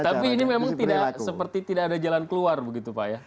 tapi ini memang tidak seperti tidak ada jalan keluar begitu pak ya